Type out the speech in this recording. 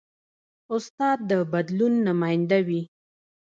استاد د بدلون نماینده وي.